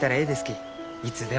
いつでも。